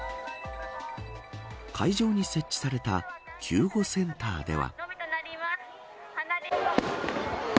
会場に設置された救護センターでは。